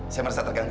saya merasa terganggu